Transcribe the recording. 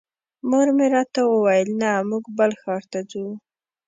مور مې راته وویل نه موږ بل ښار ته ځو.